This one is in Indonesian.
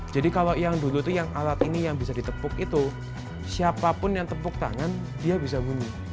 jadi kalau yang dulu itu yang alat ini yang bisa ditepuk itu siapapun yang tepuk tangan dia bisa bunyi